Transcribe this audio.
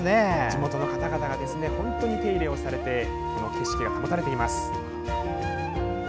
地元の方々が本当に手入れをされてこの景色が保たれています。